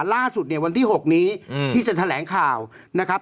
ล่าสุดเนี่ยวันที่๖นี้ที่จะแถลงข่าวนะครับ